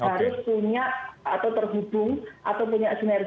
g minor punya atau terhubung atau punya